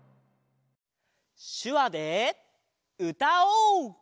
しゅわでうたおう！